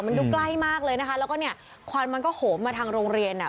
มันดูใกล้มากเลยนะคะแล้วก็เนี่ยควันมันก็โหมมาทางโรงเรียนอ่ะ